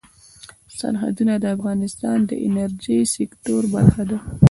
سرحدونه د افغانستان د انرژۍ سکتور برخه ده.